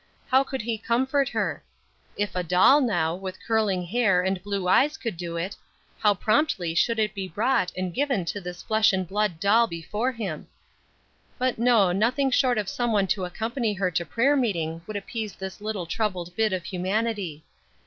How could he comfort her? If a doll, now, with curling hair and blue eyes could do it, how promptly should it be bought and given to this flesh and blood doll before him. But no, nothing short of some one to accompany her to prayer meeting would appease this little troubled bit of humanity.